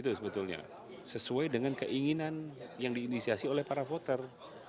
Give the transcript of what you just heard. itu sebetulnya sesuai dengan keinginan yang diinisiasi oleh para voter